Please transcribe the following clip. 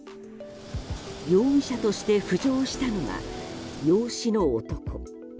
容疑者として浮上したのが養子の男。